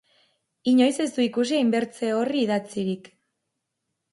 Inoiz ez du ikusi hainbertze orri idatzirik.